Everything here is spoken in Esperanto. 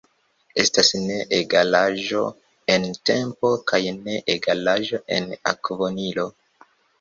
Estas ne-egalaĵo en tempo kaj ne-egalaĵo en akvonivelo.